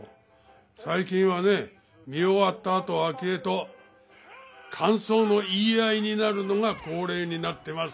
最近はね見終わったあと明恵と感想の言い合いになるのが恒例になってます。